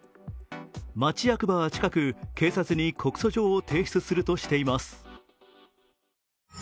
町役場は近く警察に告訴状を提出するとしています。